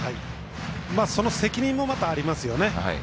その責任もありますね。